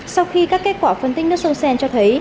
sau khi các kết quả phân tích nước sông seine cho thấy